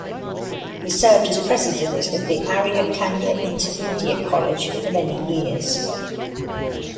He served as president of the Arya Kanya Intermediate College for many years.